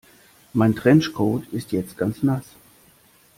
Mein Trenchcoat ist jetzt ganz nass.